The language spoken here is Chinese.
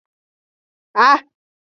它的体型是目前圈养虎鲸中最大的。